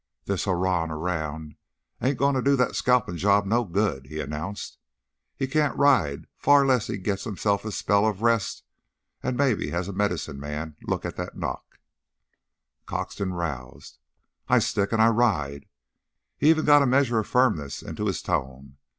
"This hoorawin' around ain't gonna do that scalpin' job no good," he announced. "He can't ride far 'less he gits him a spell of rest an' maybe has a medicine man look at that knock " Croxton roused. "I stick an' I ride!" He even got a measure of firmness into his tone.